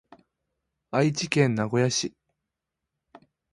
愛知県名古屋市